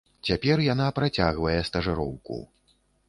Цяпер яна працягвае стажыроўку.